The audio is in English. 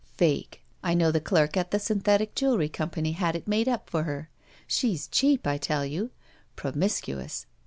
"Fake. I know the clerk at the Synthetic Jewelry Company had it made up for her. She's cheap, I tell you. Promiscuous.